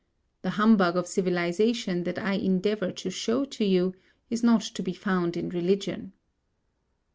The humbug of civilization that I endeavour to show to you is not to be found in religion.